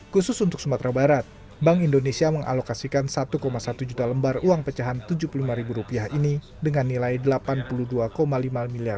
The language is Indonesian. khusus untuk sumatera barat bank indonesia mengalokasikan satu satu juta lembar uang pecahan rp tujuh puluh lima ini dengan nilai rp delapan puluh dua lima miliar